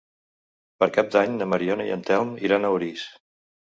Per Cap d'Any na Mariona i en Telm iran a Orís.